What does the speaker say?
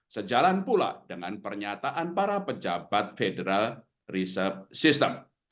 sejalan pula dengan pernyataan para pejabat federal research system